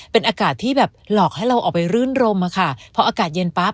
เป็นอากาศที่แบบหลอกให้เราออกไปรื่นรมอะค่ะพออากาศเย็นปั๊บ